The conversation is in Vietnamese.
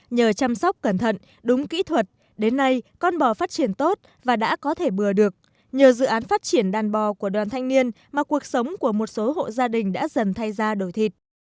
nhờ chăm sóc cẩn thận đúng kỹ thuật đến nay con bò phát triển tốt và đã có thể bừa được nhờ dự án phát triển đàn bò của đoàn thanh niên mà cuộc sống của một số hộ gia đình đã dần thay ra đổi thịt